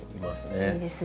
いいですね。